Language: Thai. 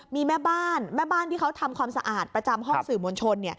มีแม่บ้านแม่บ้านที่เขาทำความสะอาดประจำห้องสื่อมวลชน